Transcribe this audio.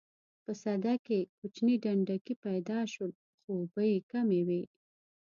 په سده کې کوچني ډنډکي پیدا شول خو اوبه یې کمې وې.